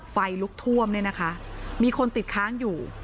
ไฟลุกท่วมเนี่ยนะคะมีคนติดค้างอยู่